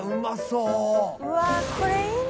うわこれいいな。